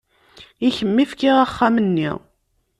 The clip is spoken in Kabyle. I kemm i fkiɣ axxam-nni.